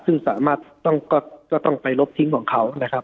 ซึ่งสามารถก็ต้องไปลบทิ้งของเขานะครับ